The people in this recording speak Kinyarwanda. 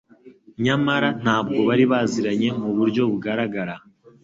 nyamara ntabwo bari baziranye mu buryo bugaragara.